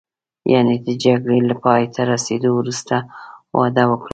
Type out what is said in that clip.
یعنې د جګړې له پایته رسېدو وروسته واده وکړم.